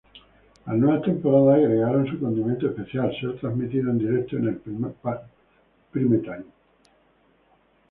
Las nuevas temporadas agregaron un condimento especial: ser transmitidos en directo en el prime-time.